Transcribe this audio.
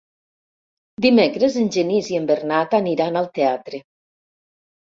Dimecres en Genís i en Bernat aniran al teatre.